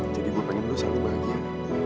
jadi gue pengen lo selalu bahagia